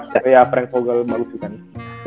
si frank vogel bagus gitu kan